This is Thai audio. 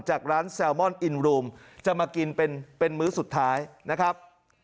จากร้านแซลมอนอินรูมจะมากินเป็นมื้อสุดท้ายนะครับ